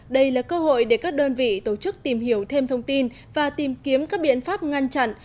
đây là cơ hội để các đơn vị tổ chức tìm hiểu thêm thông tin và tìm kiếm các biện pháp ngăn chặn